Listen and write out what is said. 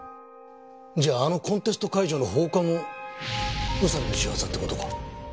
じゃああのコンテスト会場の放火も宇佐美の仕業って事か。